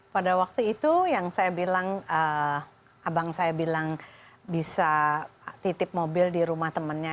pada waktu itu yang saya bilang abang saya bilang bisa titip mobil di rumah temannya